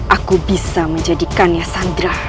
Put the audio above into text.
aku bisa menjadikannya sandra